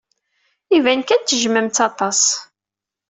Iban kan tejjmem-tt aṭas.